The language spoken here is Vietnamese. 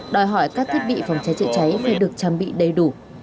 đòi hỏi các thiết bị phòng cháy chữa cháy phải được trang bị đầy đủ